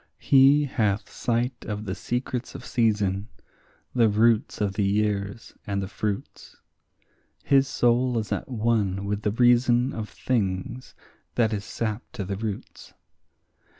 He hath sight of the secrets of season, the roots of the years and the fruits; His soul is at one with the reason of things that is sap to the roots.